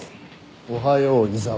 おはよう井沢。